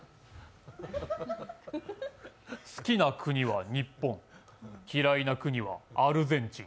好きな国は日本、嫌いな国はアルゼンチン。